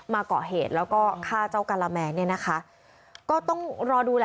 เกาะเหตุแล้วก็ฆ่าเจ้าการาแมนเนี่ยนะคะก็ต้องรอดูแหละ